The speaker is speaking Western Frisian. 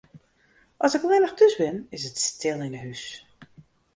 As ik allinnich thús bin, is it stil yn 'e hús.